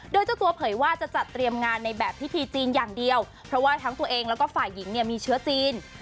โดยเจ้าตัวเผยว่าจะจัดเตรียมงานในแบบพิธีจีนอย่างเดียวเพราะว่าทั้งตัวเองแล้วก็ฝ่ายหญิงเนี่ยมีเชื้อจีน